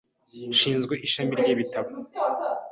Nshinzwe ishami ryibitabo .